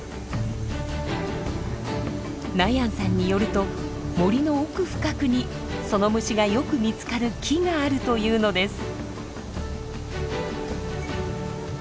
ナヤンさんによると森の奥深くにその虫がよく見つかる木があるというのです。